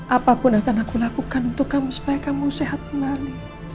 apapun akan aku lakukan untuk kamu supaya kamu sehat kembali